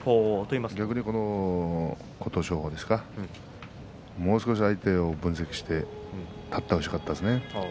逆に琴勝峰ですかもう少し相手を分析して立ってほしかったですね。